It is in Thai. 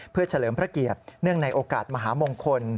เพื่อเฉลิมพระเกียรติเนื่องในโอกาสมหามงคล